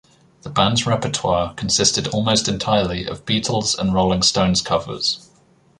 The band's repertoire consisted almost entirely of Beatles and Rolling Stones covers.